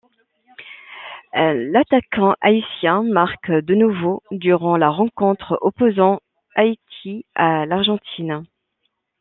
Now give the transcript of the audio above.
L'attaquant haïtien marque de nouveau durant la rencontre opposant Haïti à l'Argentine.